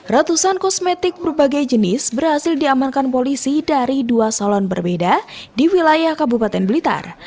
ratusan kosmetik berbagai jenis berhasil diamankan polisi dari dua salon berbeda di wilayah kabupaten blitar